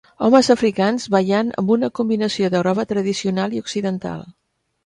Homes africans ballant amb una combinació de roba tradicional i occidental.